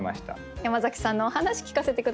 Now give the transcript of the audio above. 山崎さんのお話聞かせて下さい。